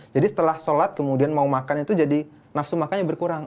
jadi setelah sholat kemudian mau makan itu jadi nafsu makannya berkurang